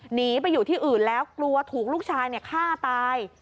หนีไปอยู่ที่อื่นแล้วกลัวถูกลูกชายฆ่าตาย